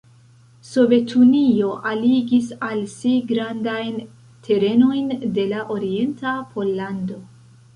Sovetunio aligis al si grandajn terenojn de la orienta Pollando.